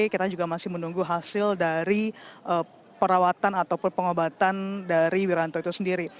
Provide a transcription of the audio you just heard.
kita juga masih menunggu hasil dari perawatan ataupun pengobatan dari wiranto itu sendiri